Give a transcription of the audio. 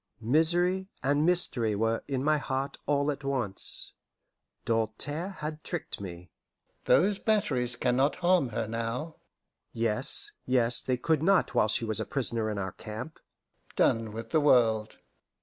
Misery and mystery were in my heart all at once. Doltaire had tricked me. "Those batteries can not harm her now!" Yes, yes, they could not while she was a prisoner in our camp. "Done with the world!"